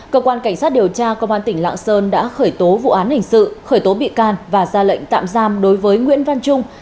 cơ quan cảnh sát điều tra công an tỉnh lạng sơn đã khởi tố vụ án hình sự khởi tố bị can và ra lệnh tạm giam đối với nguyễn văn trung